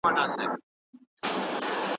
د عمر په حساب مي ستړي کړي دي مزلونه